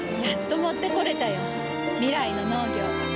やっと持ってこれたよ。未来の農業。